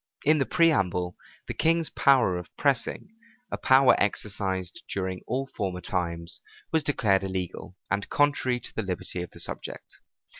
In the preamble, the king's power of pressing, a power exercised during all former times, was declared illegal, and contrary to the liberty of the subject.